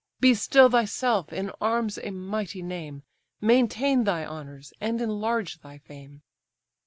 Be still thyself, in arms a mighty name; Maintain thy honours, and enlarge thy fame."